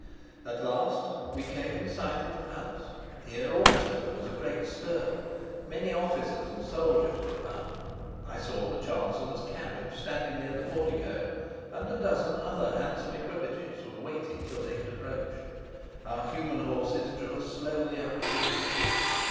At last we came in sight of the palace. Here also there was a great stir. Many officers and soldiers were about. I saw the chancellor's carriage standing near the portico, and a dozen other handsome equipages were waiting till they could approach. Our human horses drew us slowly up to the entrance.